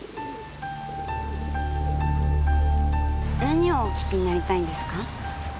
何をお訊きになりたいんですか？